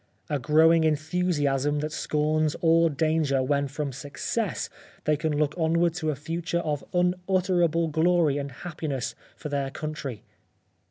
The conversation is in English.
A glowing enthusiasm that scorns all danger when from success they can look on ward to a future of unutterable glory and happiness for their country.